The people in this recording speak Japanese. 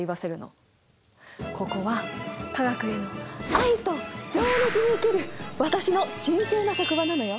ここは化学への愛と情熱に生きる私の神聖な職場なのよ！